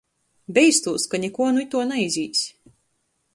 Beistūs, ka nikuo nu ituo naizīs.